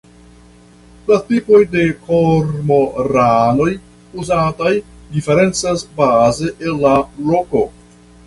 La tipoj de kormoranoj uzataj diferencas baze el la loko.